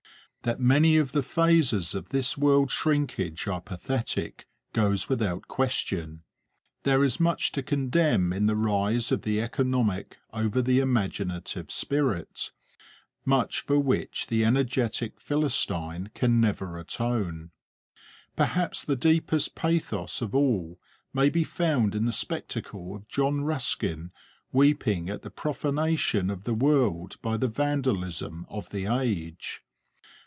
That many of the phases of this world shrinkage are pathetic, goes without question. There is much to condemn in the rise of the economic over the imaginative spirit, much for which the energetic Philistine can never atone. Perhaps the deepest pathos of all may be found in the spectacle of John Ruskin weeping at the profanation of the world by the vandalism of the age.